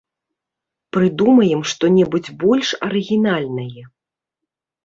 Прыдумаем што-небудзь больш арыгінальнае.